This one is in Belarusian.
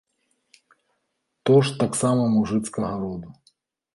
То ж таксама мужыцкага роду.